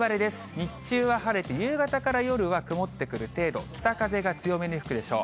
日中は晴れて、夕方から夜は曇ってくる程度、北風が強めに吹くでしょう。